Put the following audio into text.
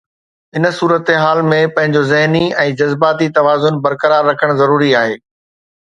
ان صورتحال ۾ پنهنجو ذهني ۽ جذباتي توازن برقرار رکڻ ضروري آهي.